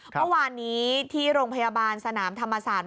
เมื่อวานนี้ที่โรงพยาบาลสนามธรรมศาสตร์